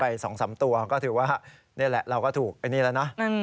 หายไป๒๓ตัวก็ถือว่านี่แหละเราก็ถูกอันนี้แหละนะ